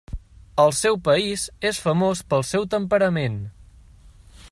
Al seu país és famós pel seu temperament.